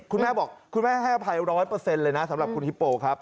คุณแม่บอกคุณแม่ให้อภัย๑๐๐เลยนะสำหรับคุณฮิปโปครับ